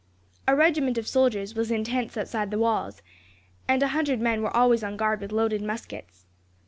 A regiment of soldiers was in tents outside the walls, and a hundred men were always on guard with loaded muskets.